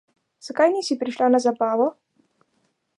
Zakaj nisi prišla na zabavo?